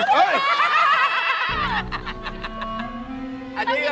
ไม่เอา